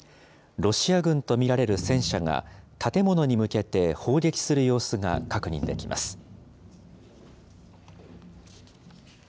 ロシア軍と見られる戦車が、建物に向けて砲撃する様子が確認できます。